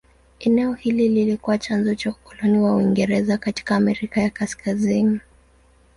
Eneo hili lilikuwa chanzo cha ukoloni wa Uingereza katika Amerika ya Kaskazini.